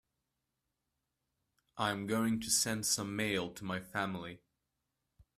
I am going to send some mail to my family.